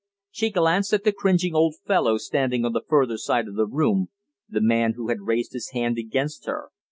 She glanced at the cringing old fellow standing on the further side of the room the man who had raised his hand against her.